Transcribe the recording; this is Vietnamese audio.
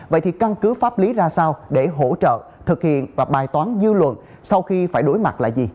vậy thì căn cứ pháp lý ra sao để hỗ trợ thực hiện và bài toán dư luận sau khi phải đối mặt là gì